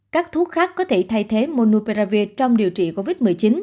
các thuốc khác có thể thay thế monuperavir trong điều trị covid một mươi chín